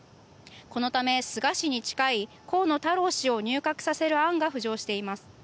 このため菅氏に近い河野太郎氏を入閣させる案が浮上しています。